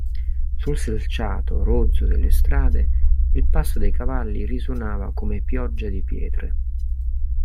Sul selciato rozzo delle strade il passo dei cavalli risuonava come pioggia di pietre.